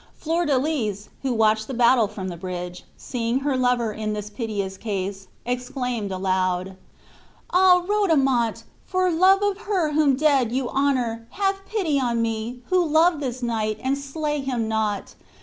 Flordelis, who watched the battle from the bridge, seeing her lover in this piteous case, exclaimed aloud, "Ah! Rodomont, for love of her whom dead you honor, have pity on me, who love this knight, and slay him not.